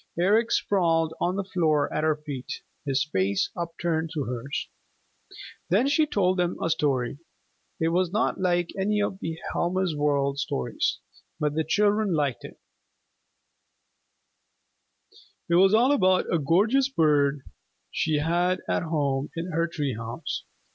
Eric sprawled on the floor at her feet, his face upturned to hers. Then she told them a story. It was not like any of Helma's World Stories, but the children liked it. It was all about a gorgeous bird she had at home in her tree house.